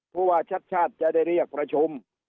พวกชัดจะได้เรียกประชุม